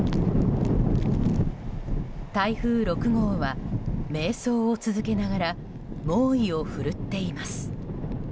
台風６号は迷走を続けながら猛威を振るっています。